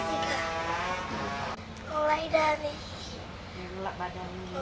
mulai dari melap badan